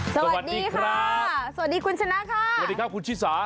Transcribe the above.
สวัสดีค่ะสวัสดีคุณชนะค่ะสวัสดีครับคุณชิสา